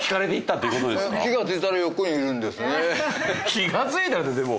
「気が付いたら」ってでも。